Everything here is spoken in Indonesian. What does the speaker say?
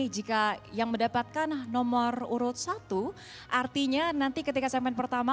jika yang mendapatkan nomor urut satu artinya nanti ketika segmen pertama